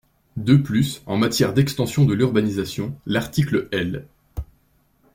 De plus, en matière d’extension de l’urbanisation, l’article L.